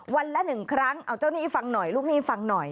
ละหนึ่งครั้งเอาเจ้าหนี้ฟังหน่อยลูกหนี้ฟังหน่อย